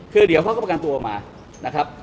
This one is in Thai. คือเดี๋ยวเขาก็ประกันตัวมานะครับ